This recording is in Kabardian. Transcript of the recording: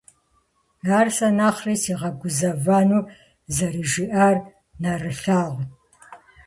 Ар сэ нэхъри сигъэгузэвэну зэрыжиӀар нэрылъагъут.